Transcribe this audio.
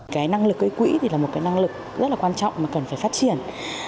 cái năng lực gây quỹ thì là một cái năng lực rất là quan trọng mà cần phải phát triển